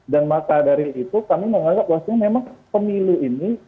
dan maka dari itu kami menganggap bahwa memang pemilu ini